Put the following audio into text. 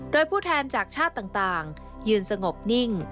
โดยผู้แทนจากชาติต่างยืนสงบนิ่ง